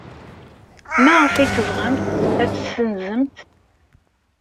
Maɣef ay tebɣamt ad t-tessenzemt?